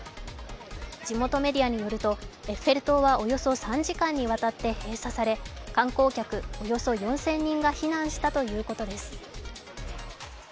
地元メディアによると、エッフェル塔はおよそ３時間にわたって閉鎖され、観光客およそ４０００人が避難したということです。